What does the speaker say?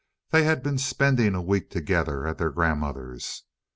They had been spending a week together at their grandmother's.